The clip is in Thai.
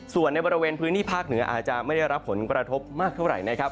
ส่วนในบริเวณพื้นที่ภาคเหนืออาจจะไม่ได้รับผลกระทบมากเท่าไหร่นะครับ